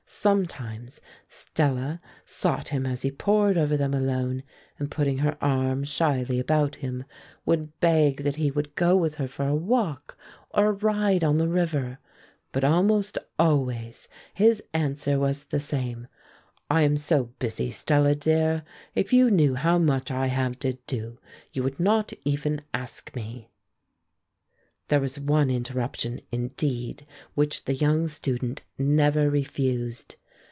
Sometimes Stella sought him as he pored over them alone, and putting her arm shyly about him, would beg that he would go with her for a walk, or a ride on the river; but almost always his answer was the same: "I am so busy, Stella dear; if you knew how much I have to do you would not even ask me." There was one interruption, indeed, which the young student never refused.